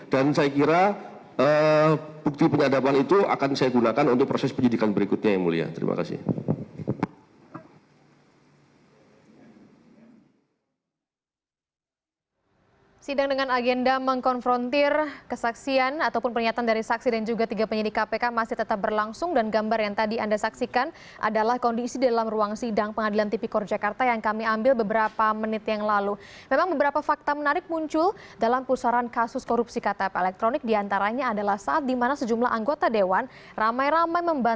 dan saya kira bukti penyadapan itu akan saya gunakan untuk proses penyidikan berikutnya ya mulia